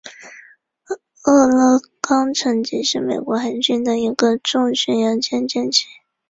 俄勒冈城级是美国海军的一个重巡洋舰舰级。